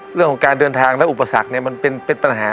เรื่องของการเดินทางและอุปสรรคมันเป็นปัญหา